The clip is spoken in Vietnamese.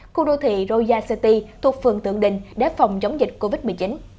khu đô thị roya city thuộc phường tượng đình để phòng chống dịch covid một mươi chín